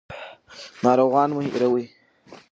ناروغان مه هېروئ.